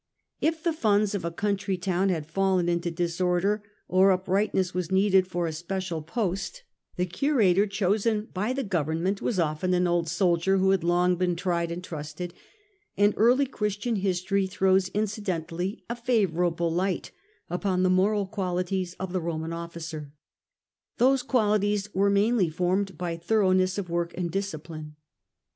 If the funds of a country town had fallen into disorder, or uprightness was needed for a special post, the curator chosen by the government was often an old soldier, who had long been tried and trusted; and early Christian history throws, incidentally, a favourable light upon the moral qualities of the Roman officer. Tiiose qualities were mainly formed by thoroughness of work and discipline.